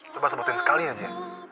coba sebutin sekali aja ya